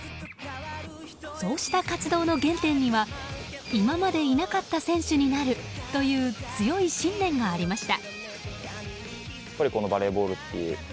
そうした活動の原点には今までいなかった選手になるという強い信念がありました。